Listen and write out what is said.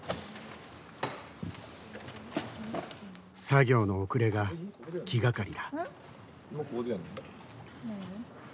作業の遅れが気がかりだ。